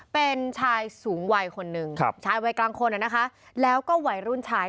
เป็นชายสูงวัยคนหนึ่งชายวัยกลางคนนะคะแล้วก็วัยรุ่นชาย